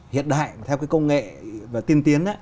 hiện đại theo cái công nghệ và tiên tiến